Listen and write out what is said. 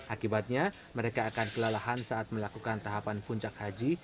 akibatnya mereka akan kelelahan saat melakukan tahapan puncak haji